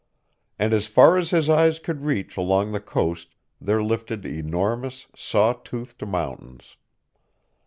And far as his eyes could reach along the coast there lifted enormous, saw toothed mountains.